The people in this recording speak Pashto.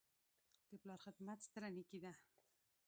د پلار خدمت ستره نیکي ده.